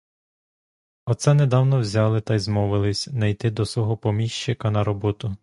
Оце недавно взяли та й змовились не йти до свого поміщика на роботу.